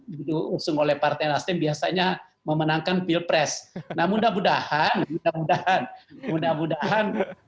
didusung oleh partai nasdem biasanya memenangkan pilpres namun mudah mudahan mudah mudahan mudah mudahan